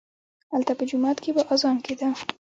هلته په جومات کښې به اذان کېده.